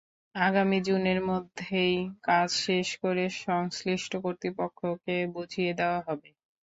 আগামী জুনের মধ্যেই কাজ শেষ করে সংশ্লিষ্ট কর্তৃপক্ষকে বুঝিয়ে দেওয়া হবে।